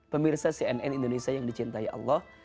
pemirsa cnn indonesia yang dicintai allah